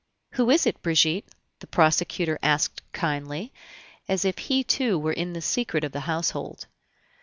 "Who is it, Brigitte?" the prosecutor asked kindly, as if he too were in the secret of the household.